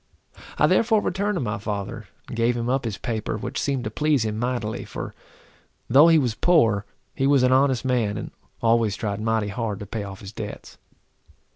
I therefore returned to my father, and gave him up his paper, which seemed to please him mightily, for though he was poor, he was an honest man, and always tried mighty hard to pay off his debts.